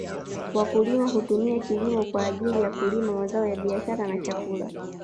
Wakulima hutumia kilimo kwa ajili ya kulima mazao ya biashara na chakula